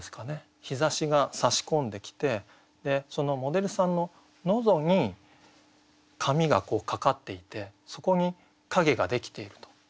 日ざしがさし込んできてそのモデルさんの喉に髪がかかっていてそこに影ができていると。